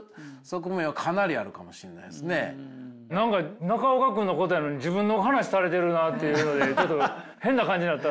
何か中岡君のことやのに自分の話されてるなあっていうのでちょっと変な感じになった。